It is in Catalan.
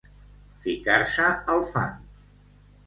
Ficar-se al fang.